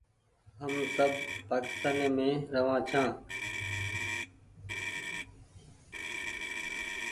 هم سب پآڪيستاني مينٚ رهوآن ڇآن